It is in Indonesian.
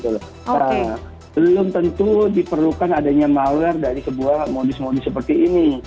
nah belum tentu diperlukan adanya malware dari sebuah modis modis seperti ini